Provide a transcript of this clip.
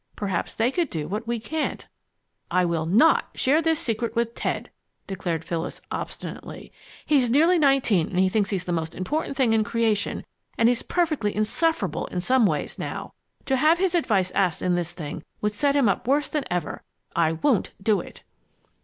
Perhaps they could do what we can't." "I will not share this secret with Ted!" declared Phyllis, obstinately. "He's nearly nineteen and he thinks he's the most important thing in creation, and he's perfectly insufferable in some ways, now. To have his advice asked in this thing would set him up worse than ever. I won't do it!"